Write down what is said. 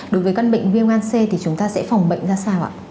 đối với căn bệnh viêm gan c thì chúng ta sẽ phòng bệnh ra sao ạ